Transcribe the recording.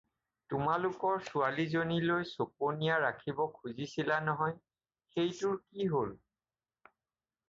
তোমালোকৰ ছোৱালীজনীলৈ চপনীয়া ৰাখিব খুজিছিলা নহয়, সেইটোৰ কি হ'ল?